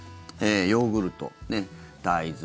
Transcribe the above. ヨーグルト、大豆。